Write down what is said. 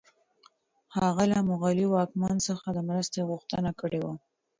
هغه له مغلي واکمن څخه د مرستې غوښتنه کړې وه.